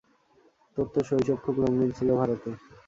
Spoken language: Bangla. তোর তো শৈশব খুব রঙিন ছিলো ভারতে।